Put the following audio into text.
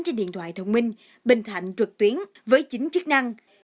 trên điện thoại thông minh bình thạnh trực tuyến với chính chức năng